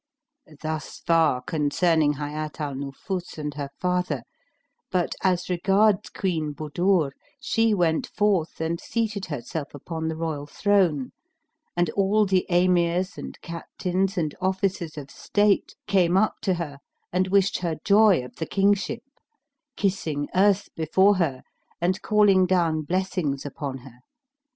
Thus far concerning Hayat al Nufus and her father; but as regards Queen Budur she went forth and seated herself upon the royal throne and all the Emirs and Captains and Officers of state came up to her and wished her joy of the kingship, kissing the earth before her and calling down blessings upon her.